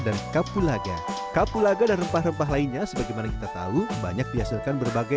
dan kapulaga kapulaga dan rempah rempah lainnya sebagaimana kita tahu banyak dihasilkan berbagai